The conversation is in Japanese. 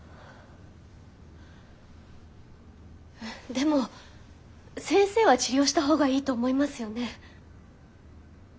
でも先生は治療したほうがいいと思いますよね？